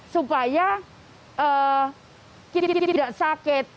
supaya kita tidak sakit